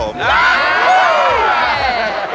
นะครับ